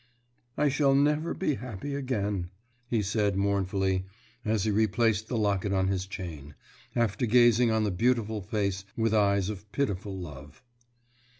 "I shall never be happy again," he said mournfully, as he replaced the locket on his chain, after gazing on the beautiful face with eyes of pitiful love.